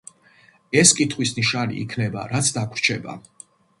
ეს კითხვის ნიშანი იქნება რაც დაგვრჩება.